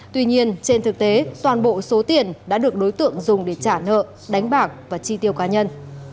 tuy nhiên trên thực tế toàn bộ số tiền đã được đối tượng dùng để trả nợ đánh bạc và chi tiêu cá nhân